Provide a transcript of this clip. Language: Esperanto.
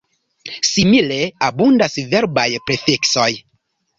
Simile, abundas verbaj prefiksoj.